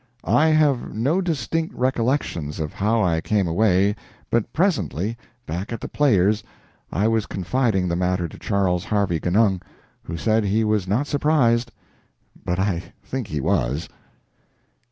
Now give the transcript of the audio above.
I have no distinct recollections of how I came away, but presently, back at the Players, I was confiding the matter to Charles Harvey Genung, who said he was not surprised; but I think he was.